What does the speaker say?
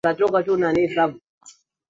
titanic ilikuwa ikienda kwa kasi sana